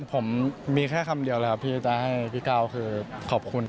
ผมมีแค่คำเดียวเลยครับที่จะให้พี่ก้าวคือขอบคุณ